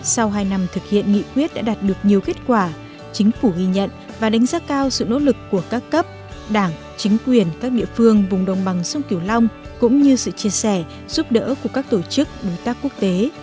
sau hai năm thực hiện nghị quyết đã đạt được nhiều kết quả chính phủ ghi nhận và đánh giá cao sự nỗ lực của các cấp đảng chính quyền các địa phương vùng đồng bằng sông kiều long cũng như sự chia sẻ giúp đỡ của các tổ chức đối tác quốc tế